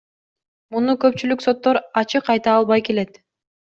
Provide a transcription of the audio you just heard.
Муну көпчүлүк соттор ачык айта албай келет.